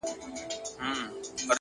هره شېبه د بدلون فرصت لري!